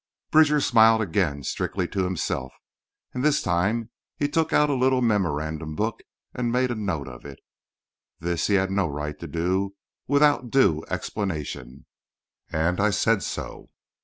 Bridger smiled again—strictly to himself—and this time he took out a little memorandum book and made a note of it. This he had no right to do without due explanation, and I said so.